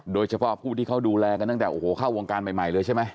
โดยเฉพาะผู้ที่เขาดูแลกันตั้งแต่โอ้โหเข้าวงการใหม่เลยใช่ไหม